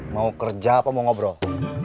mau kerja apa mau ngobrol